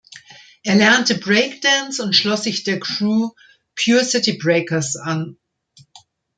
Er lernte Breakdance und schloss sich der Crew "Pure City Breakers" an.